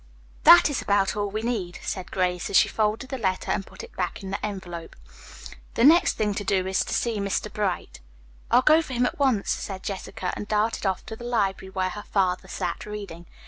'" "That is about all we need," said Grace, as she folded the letter and put it back in the envelope. "The next thing to do is to see Mr. Bright." "I'll go for him at once," said Jessica, and darted off to the library, where her father sat reading.